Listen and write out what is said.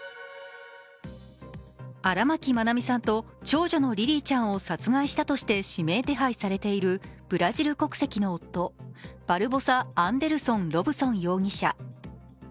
荒牧愛美さんと長女のリリーちゃんを殺害したとして指名手配されているブラジル国籍の夫、バルボサ・アンデルソン・ロブソン容疑者。